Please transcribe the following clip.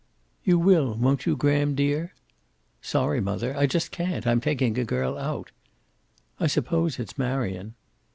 "You will, won't you, Graham, dear?" "Sorry, mother. I just can't. I'm taking a girl out." "I suppose it's Marion."